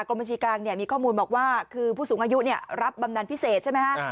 บัญชีกลางมีข้อมูลบอกว่าคือผู้สูงอายุรับบำนานพิเศษใช่ไหมฮะ